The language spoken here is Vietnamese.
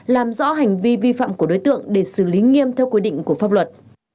làm rõ hành vi vi phạm của đối tượng để xử lý nghiêm theo quy định của pháp luật